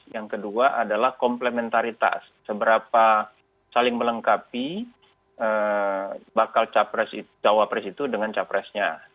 yang kedua adalah komplementaritas seberapa saling melengkapi bakal cawapres itu dengan cawapresnya